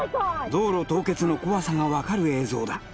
道路凍結の怖さが分かる映像だ